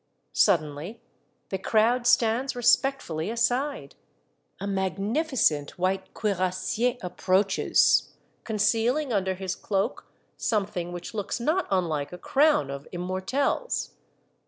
Suddenly the crowd stands respectfully aside. A magnificent white cuirassier approaches, concealing under his cloak something which looks not unlike a crown of im mortelles.